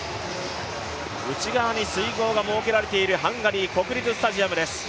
内側に水濠が設けられているハンガリー国立スタジアムです。